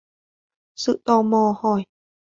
Sự tò mò hỏi